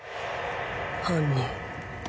犯人？